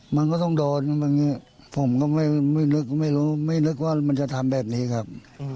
มันก็ต้องโดนผมก็ไม่นึกว่ามันจะทำแบบนี้ครับ